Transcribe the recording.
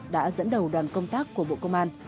đã dẫn đầu đoàn công tác của bộ công an